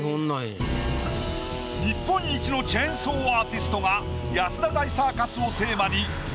日本一のチェーンソーアーティストが安田大サーカスをテーマにｉＰａｄ